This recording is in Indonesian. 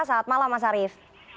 selamat malam mas arief